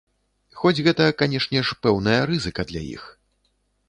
Хоць гэта, канешне ж, пэўная рызыка для іх.